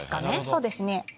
そうですね。